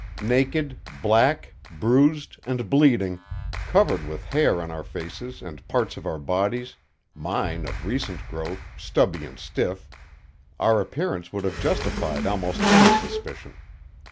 Naked, black, bruised, and bleeding, covered with hair on our faces and parts of our bodies mine, of recent growth, stubby and stiff our appearance would have justified almost any suspicion.